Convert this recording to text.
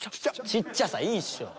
ちっちゃさいいっしょ。